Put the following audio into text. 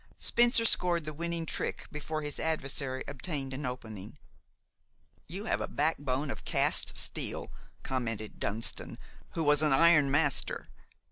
Spencer scored the winning trick before his adversary obtained an opening. "You have a backbone of cast steel," commented Dunston, who was an iron master.